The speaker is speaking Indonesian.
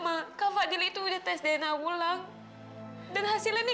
ngapain lo mundur kesini